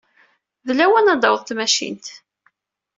D lawan ad d-taweḍ tmacint.